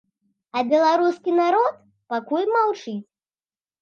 А беларускі народ пакуль маўчыць.